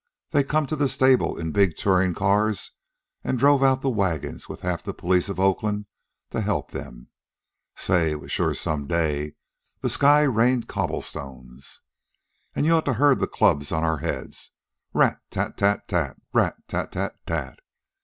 They come to the stable in big tourin' cars an' drove out the wagons with half the police of Oakland to help them. Say, it was sure some day. The sky rained cobblestones. An' you oughta heard the clubs on our heads rat tat tat tat, rat tat tat tat!